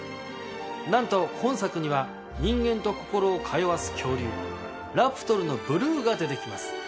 なんと本作には人間と心を通わす恐竜ラプトルのブルーが出て来ます。